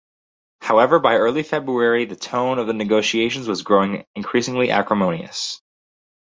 However, by early February the tone of the negotiations was growing increasingly acrimonious.